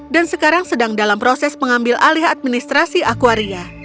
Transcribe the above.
dan sekarang sedang dalam proses pengambil alih administrasi aquaria